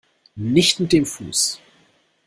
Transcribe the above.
Nicht mit dem Fuß!